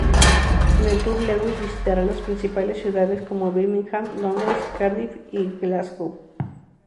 En el tour Lewis visitará las principales ciudades como Birmingham, Londres, Cardiff y Glasgow.